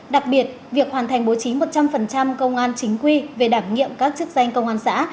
đặc biệt việc hoàn thành bố trí một trăm linh công an chính quy về đảm nhiệm các chức danh công an xã